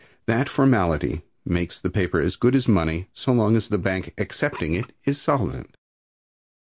That formality makes the paper as good as money so long as the bank accepting it is solvent.